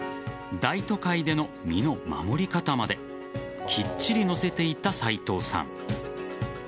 大都会での身の守り方まできっちり載せていた斉藤さん。